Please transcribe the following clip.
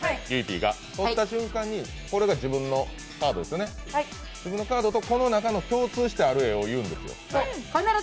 取った瞬間に、これが自分のカードですね、自分のカードとこの中の共通している絵を言うわけですよ。